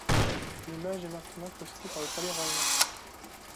L'image est maintenant possédée par le Palais Royal.